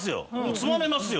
つまめますよ！